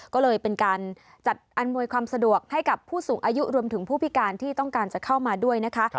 ก็เลยเป็นการจัดอำนวยความสะดวกให้กับผู้สูงอายุรวมถึงผู้พิการที่ต้องการจะเข้ามาด้วยนะคะ